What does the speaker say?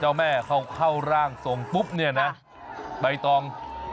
เจ้าแม่เข้าร่างทรงปุ๊บเนี่ยนะใบตอง